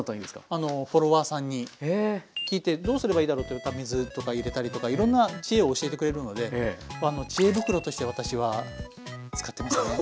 聞いてどうすればいいだろうって水とか入れたりとかいろんな知恵を教えてくれるのでまああの知恵袋として私は使ってますね。